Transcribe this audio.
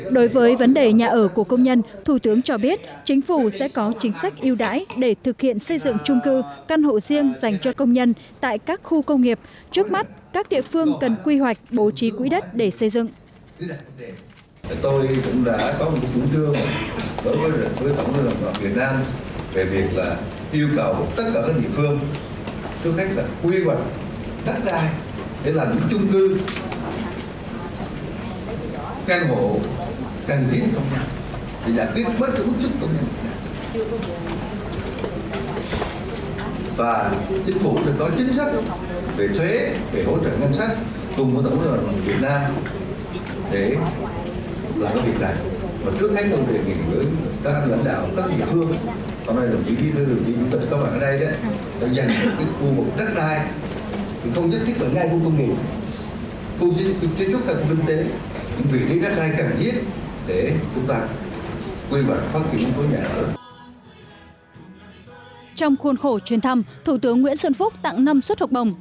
đối với vấn đề nhà ở của công nhân thủ tướng cho biết chính phủ sẽ có chính sách yêu đái để thực hiện xây dựng trung cư căn hộ riêng dành cho công nhân tại các khu công nghiệp trước mắt các địa phương cần quy hoạch bố trí quỹ đất để xây dựng